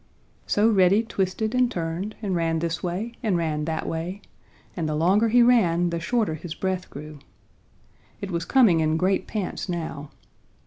So Reddy twisted and turned, and ran this way and ran that way, and the longer he ran, the shorter his breath grew. It was coming in great pants now.